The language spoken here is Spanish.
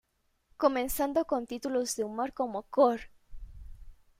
Comenzando con títulos de humor como "Cor!!